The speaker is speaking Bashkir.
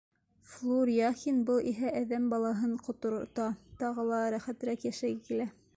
Флүр Яхин Был иһә әҙәм балаһын ҡоторта, тағы ла рәхәтерәк йәшәге килә.